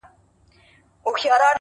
پوه انسان له اختلافه زده کړه کوي؛